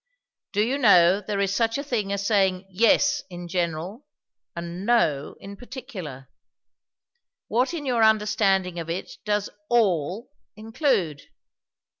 "Do you know there is such a thing as saying 'yes' in general, and 'no' in particular? What in your understanding of it, does 'all' include?"